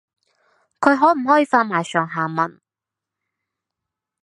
佢可唔可以發埋上下文